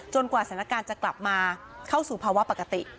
กว่าสถานการณ์จะกลับมาเข้าสู่ภาวะปกติ